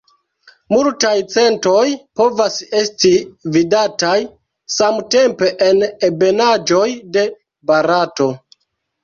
Multaj centoj povas esti vidataj samtempe en ebenaĵoj de Barato.